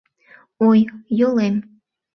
— Ой, йолем!..